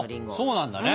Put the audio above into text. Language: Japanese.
そうなんだね！